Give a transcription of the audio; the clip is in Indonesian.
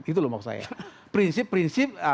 itu loh maksud saya prinsip prinsip